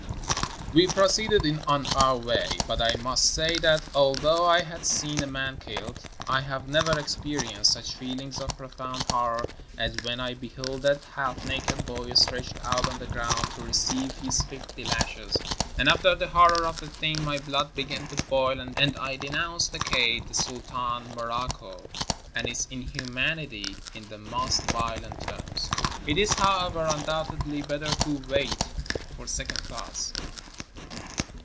We proceeded on our way, but I must say that, al though I have seen a man kiUed, I have never experi enced such feelings of profound horror as when I beheld that half naked boy stretched out on the ground to re ceive his fifty lashes; and after the horror of the thing my blood began to boil, and I denounced the kaid, the sultan, Morocco and its inhumanity in the most violent terms. It is, however, undoubtedly better to wait for 328 ONE DAY IN MOROCCO second thoughts.